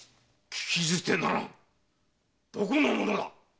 聞き捨てならんどこの者だ